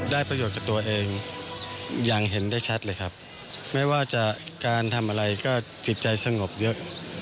ได้ประโยชน์กับตัวเองอย่างเห็นได้ชัดเลยครับไม่ว่าจะการทำอะไรก็จิตใจสงบเยอะ